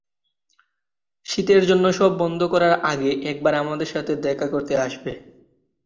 শীতের জন্য সব বন্ধ করার আগে একবার আমাদের সাথে দেখা করতে আসবে?